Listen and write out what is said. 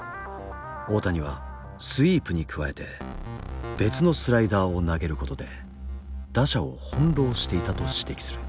大谷はスイープに加えて別のスライダーを投げることで打者を翻弄していたと指摘する。